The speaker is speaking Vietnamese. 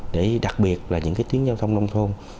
để đặc biệt là những tiếng giao thông nông thôn